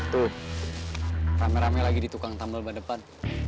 tuh rame rame lagi di tukang tambel di depan